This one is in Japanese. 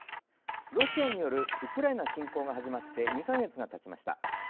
ロシアによるウクライナ侵攻が始まって２か月がたちました。